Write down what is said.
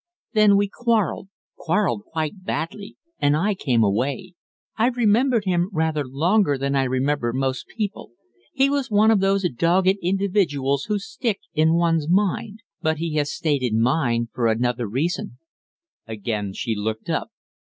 Then we quarrelled quarrelled quite badly and I came away. I've remembered him rather longer than I remember most people he was one of those dogged individuals who stick in one's mind. But he has stayed in mine for another reason " Again she looked up.